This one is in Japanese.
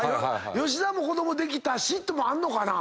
吉田も子供できたしってのもあんのかな？